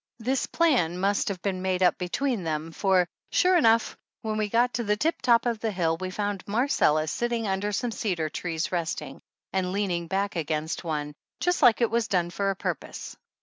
This plan must have been made up between them, for, sure enough, when we got to the tip top of the hill we found Marcella sit ting under some cedar trees resting, and leaning back against one, just like it was done for a pur pose.